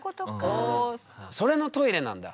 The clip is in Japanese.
それの「トイレ」なんだ。